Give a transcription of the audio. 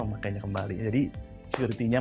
memakainya kembali jadi security nya